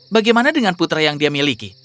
bagaimana dengan putra yang dia miliki